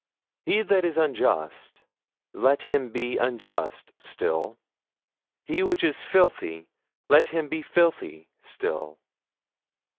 'He that is unjust, let him be unjust still; he which is filthy, let him be filthy still.'